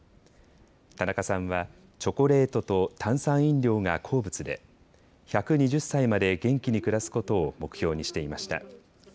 田中さんはチョコレートと炭酸飲料が好物で１２０歳まで元気に暮らすことを目標にしていました。